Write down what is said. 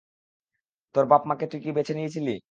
তোর মা-বাপকে কি তুই বেছে নিয়েছিলি?